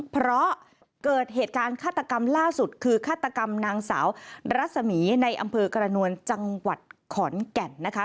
เพราะเกิดเหตุการณ์ฆาตกรรมล่าสุดคือฆาตกรรมนางสาวรัศมีในอำเภอกระนวลจังหวัดขอนแก่นนะคะ